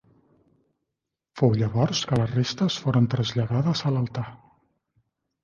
Fou llavors que les restes foren traslladades a l'altar.